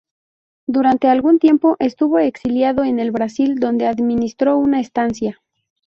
Durante algún tiempo estuvo exiliado en el Brasil, donde administró una estancia.